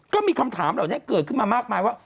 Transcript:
ก็มีคำถามเหล่านี้เกิดขึ้นมามากมายว่า